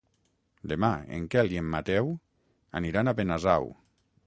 Demà en Quel i en Mateu aniran a Benasau.